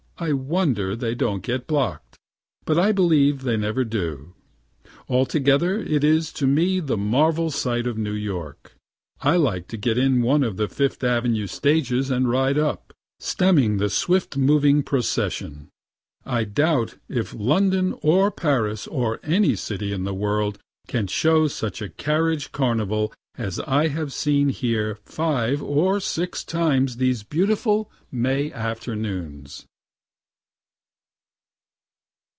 (I wonder they don't get block'd, but I believe they never do.) Altogether it is to me the marvel sight of New York. I like to get in one of the Fifth avenue stages and ride up, stemming the swift moving procession. I doubt if London or Paris or any city in the world can show such a carriage carnival as I have seen here five or six times these beautiful May afternoons.